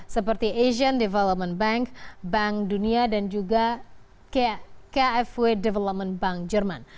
seperti asian development bank bank dunia dan juga kfw development bank jerman